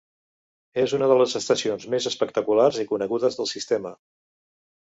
És una de les estacions més espectaculars i conegudes del sistema.